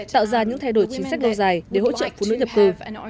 tạo ra những thay đổi chính sách lâu dài để hỗ trợ phụ nữ nhập cư